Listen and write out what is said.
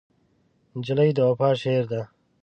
نجلۍ د وفا شعر ده.